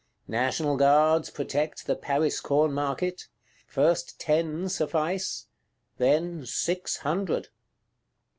National Guards protect the Paris Corn Market: first ten suffice; then six hundred.